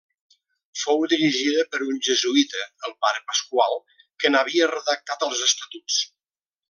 Fou dirigida per un jesuïta, el pare Pasqual, que n'havia redactat els estatuts.